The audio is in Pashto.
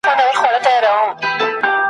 پر شنو ونو له پرواز څخه محروم سو `